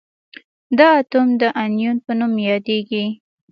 دا اتوم د انیون په نوم یادیږي.